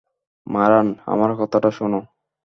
মারান, আমার কথাটা শোনো।